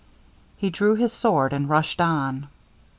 He drew his sword and rushed on.